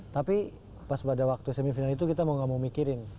tapi pas pada waktu semifinal itu kita mau gak mau mikirin